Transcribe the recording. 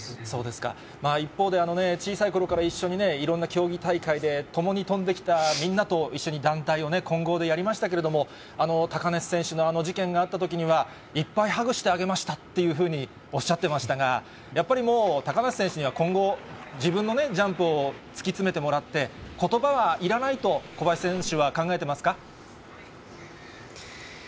そうですか、一方で、小さいころから一緒にいろんな競技大会で共に飛んできたみんなと一緒に団体を混合でやりましたけれども、高梨選手のあの事件があったときには、いっぱいハグしてあげましたっていうふうにおっしゃってましたが、やっぱりもう、高梨選手には今後、自分のジャンプを突き詰めてもらって、ことばはいらないと小林選手は考えてますか？